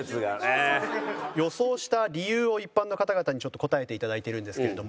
予想した理由を一般の方々にちょっと答えていただいているんですけれども。